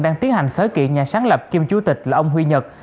đang tiến hành khởi kiện nhà sáng lập kiêm chủ tịch là ông huy nhật